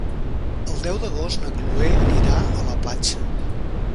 El deu d'agost na Chloé anirà a la platja.